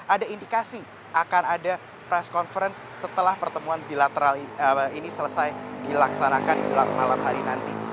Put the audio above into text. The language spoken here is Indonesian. ada indikasi akan ada press conference setelah pertemuan bilateral ini selesai dilaksanakan jelang malam hari nanti